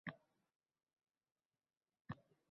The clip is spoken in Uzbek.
Bu topgan pulingizga soliq solinmaydi.